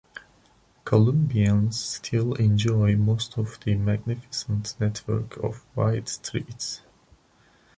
Columbians still enjoy most of the magnificent network of wide streets.